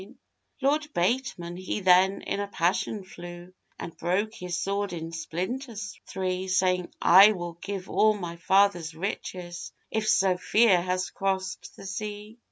Lord Bateman he then in a passion flew, And broke his sword in splinters three; Saying, 'I will give all my father's riches If Sophia has crossed the sea.